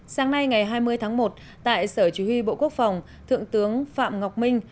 sáng nay ngày hai mươi tháng một tại sở chủ huy bộ quốc phòng thượng tướng phạm ngọc minh